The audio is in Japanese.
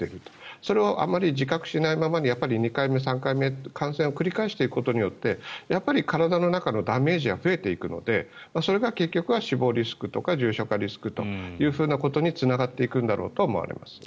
それをあまり自覚しないままに２回目、３回目と感染を繰り返していくことで体の中のダメージは増えていくのでそれが結局は死亡リスクとか重症化リスクにつながっていくんだろうと思います。